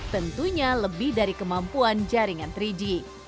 tentunya lebih dari kemampuan jaringan tiga g